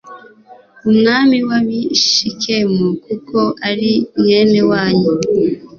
umwami w ab i Shekemu kuko ari mwene wanyu